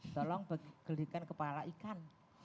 tolong gelikan kepala ikan